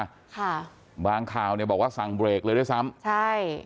ค่ะบางข่าวเนี่ยบอกว่าสั่งเบรกเลยด้วยซ้ำใช่